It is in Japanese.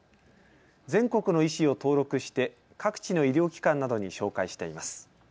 全国の医師を登録して各地の医療機関などに紹介しています。